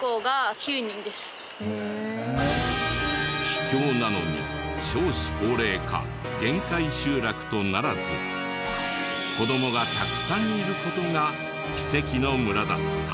秘境なのに少子高齢化限界集落とならず子どもがたくさんいる事が奇跡の村だった。